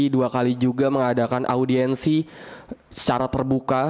dua kali juga mengadakan audiensi secara terbuka